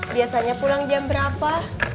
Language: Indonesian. biasanya pulang jam berapa